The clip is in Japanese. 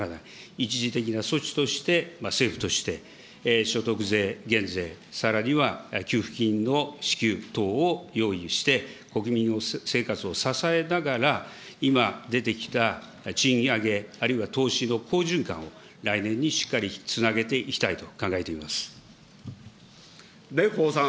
一時的な措置として政府として、所得税減税、さらには給付金の支給等を用意をして、国民生活を支えながら、今、出てきた賃上げ、あるいは投資の好循環を来年にしっかりつなげていきたいと考えて蓮舫さん。